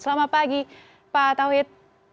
selamat pagi pak tauhid